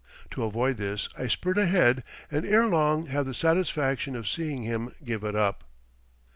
To avoid this, I spurt ahead, and ere long have the satisfaction of seeing him give it up.